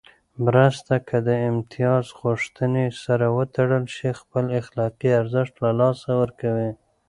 مرسته که د امتياز غوښتنې سره وتړل شي، خپل اخلاقي ارزښت له لاسه ورکوي.